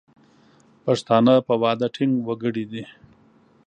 پښتانه په وعده ټینګ وګړي دي.